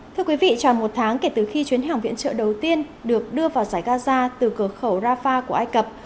thưa quý vị tròn một tháng kể từ khi chuyến hàng viện trợ đầu tiên được đưa vào giải gaza từ cửa khẩu rafah của ai cập